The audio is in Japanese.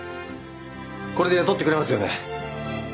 これで雇ってくれますよね？